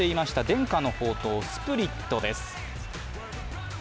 伝家の宝刀・スプリットです。